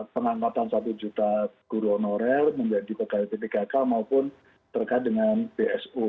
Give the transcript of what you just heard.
pengangkatan satu juta guru honorer menjadi pegawai pppkk maupun terkait dengan bsu